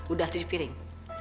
udah cuci piring